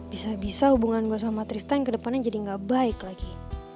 bisa bisa hubungan gue sama tristan ke depannya jadi gak baik lagi